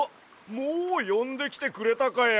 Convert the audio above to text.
もうよんできてくれたかや！